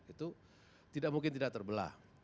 itu tidak mungkin tidak terbelah